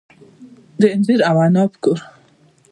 د انځر او عناب کور.